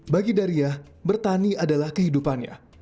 bagi daria bertani adalah kehidupannya